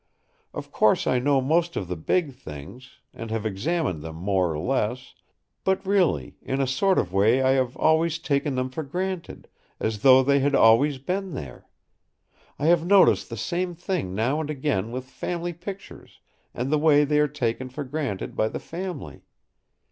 Of course I know most of the big things, and have examined them more or less; but really, in a sort of way I have always taken them for granted, as though they had always been there. I have noticed the same thing now and again with family pictures, and the way they are taken for granted by the family.